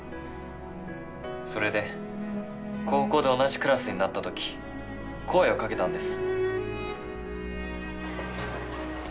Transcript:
それで高校で同じクラスになった時声をかけたんです。